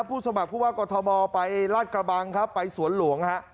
ผู้สมัครผู้ว่ากฎมไปราชกระบังไปสวนหลวง